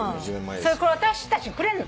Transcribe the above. これ私たちにくれるの？